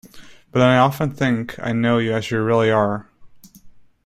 But then I often think I know you as you really are.